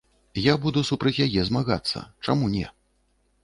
Я буду супраць яе змагацца, чаму не.